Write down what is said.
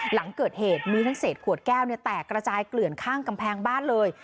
หลังเกิดเหตุมีทั้งเศษขวดแก้วแตกกระจายเกลื่อนข้างกำแพงบ้านเลย